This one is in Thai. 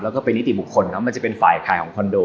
แล้วก็เป็นนิติบุคคลครับมันจะเป็นฝ่ายขายของคอนโด